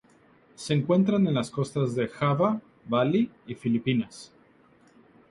Se encuentran en las costas de Java, Bali y Filipinas.